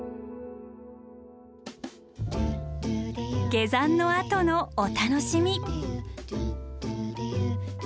下山のあとのお楽しみ。